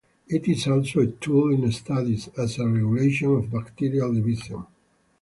It is also a tool in studies as a regulation of bacterial division.